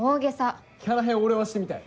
キャラ変俺はしてみたい。